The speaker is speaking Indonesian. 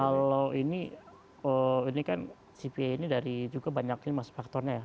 kalau ini ini kan cpi ini dari juga banyaknya maksud faktornya ya